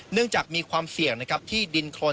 จากมีความเสี่ยงนะครับที่ดินโครน